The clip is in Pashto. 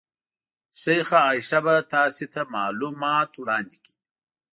شیخه عایشه به تاسې ته معلومات وړاندې کړي.